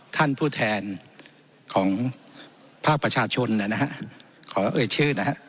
ท่านผู้แทนของพระประชาชนเนี้ยนะฮะขอเอชื่อนะฮะ